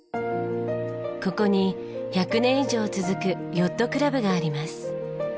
ここに１００年以上続くヨットクラブがあります。